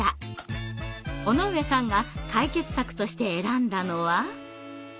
尾上さんが解決策として選んだのは。